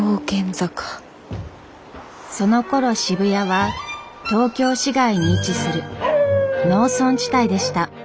そのころ渋谷は東京市外に位置する農村地帯でした。